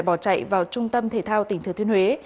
anh nhàn đã bỏ chạy vào trung tâm thể thao tỉnh thứ thiên huế